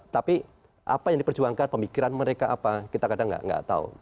tapi apa yang diperjuangkan pemikiran mereka apa kita kadang nggak tahu